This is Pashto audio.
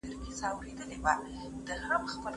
د ودانیو معمارانو ته ځي